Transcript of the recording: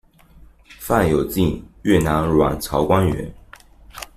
范有靖，越南阮朝官员。